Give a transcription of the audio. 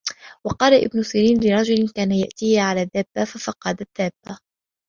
وَقَالَ ابْنُ سِيرِينَ لِرَجُلٍ كَانَ يَأْتِيهِ عَلَى دَابَّةٍ فَفَقَدَ الدَّابَّةَ